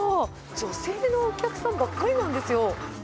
女性のお客さんばっかりなんですよ。